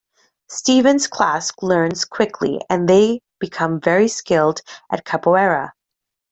Stevens' class learns quickly, and they become very skilled at Capoeira.